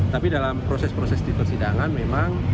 tapi dalam proses proses di persidangan memang